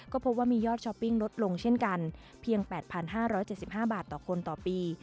ก็พบว่ามียอดช้อปปิ้งลดลงเช่นกันเพียง๘๕๗๕บาทต่อคนต่อปี